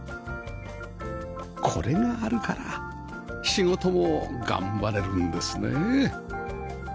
これがあるから仕事も頑張れるんですね